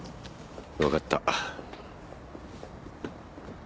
分かった。